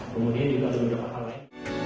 kemudian juga terima kasih